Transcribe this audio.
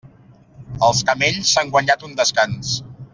Els camells s'han guanyat un descans.